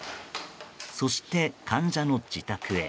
そして、患者の自宅へ。